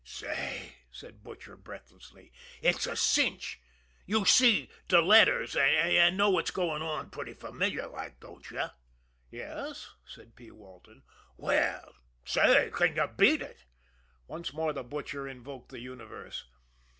"Say," said the Butcher breathlessly, "it's a cinch! You see de letters, an' know what's goin' on pretty familiar like, don't you?" "Yes," said P. Walton. "Well, say, can you beat it!" Once more the Butcher invoked the universe.